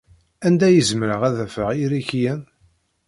Anda ay zemreɣ ad afeɣ irikiyen?